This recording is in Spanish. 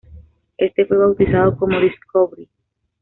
Éste fue bautizado como "Discovery".